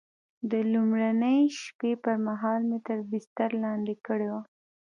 د لومړۍ شپې پر مهال مې تر بستر لاندې کړې وه.